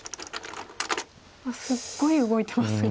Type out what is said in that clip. すごい動いてますよね。